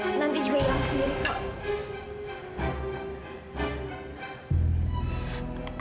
nanti juga hilang sendiri kok